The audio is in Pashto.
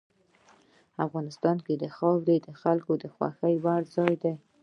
افغانستان کې خاوره د خلکو د خوښې وړ ځای دی.